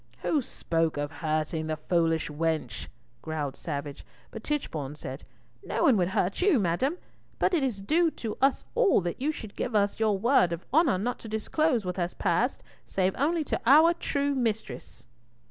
"Who spoke of hurting the foolish wench?" growled Savage; but Tichborne said, "No one would hurt you, madam; but it is due to us all that you should give us your word of honour not to disclose what has passed, save to our only true mistress."